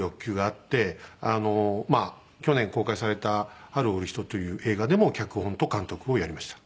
まあ去年公開された『はるヲうるひと』という映画でも脚本と監督をやりました。